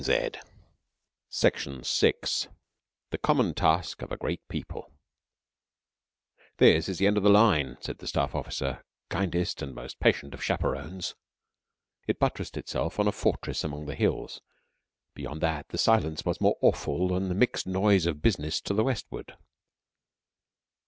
"They are French." VI THE COMMON TASK OF A GREAT PEOPLE "This is the end of the line," said the Staff Officer, kindest and most patient of chaperons. It buttressed itself on a fortress among hills. Beyond that, the silence was more awful than the mixed noise of business to the westward.